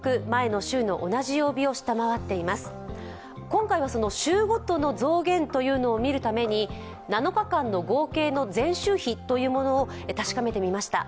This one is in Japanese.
今回は週ごとの増減というのを見るために７日間の合計の前週比を確かめてみました。